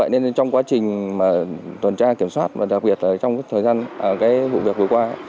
nên trong quá trình tuần tra kiểm soát và đặc biệt là trong thời gian vụ việc vừa qua